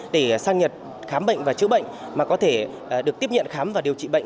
để sang nhật khám bệnh và chữa bệnh mà có thể được tiếp nhận khám và điều trị bệnh